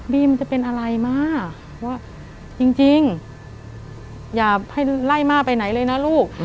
มันจะเป็นอะไรม่าว่าจริงอย่าให้ไล่ม่าไปไหนเลยนะลูก